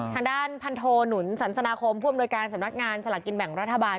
ทางด้านพันโทหนุนสันสนาคมผู้อำนวยการสำนักงานสลากกินแบ่งรัฐบาล